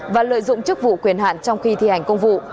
và lợi dụng chức vụ quyền hạn trong khi thi hành công vụ